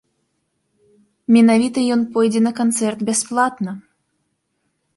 Менавіта ён пойдзе на канцэрт бясплатна.